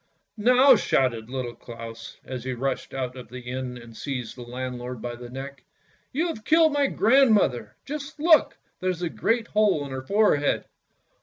" Now! " shouted Little Claus, as he rushed out of the inn and seized the landlord by the neck, " you have killed my grand mother! Just look, there's a great hole in her forehead!